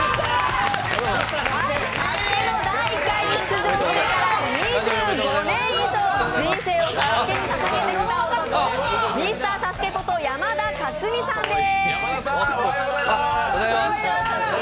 第１回から出場してから２５年以上、人生を「ＳＡＳＵＫＥ」に捧げてきた男、ミスターＳＡＳＵＫＥこと山田勝己さんです。